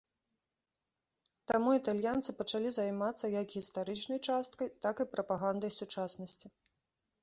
Таму італьянцы пачалі займацца як гістарычнай часткай, так і прапагандай сучаснасці.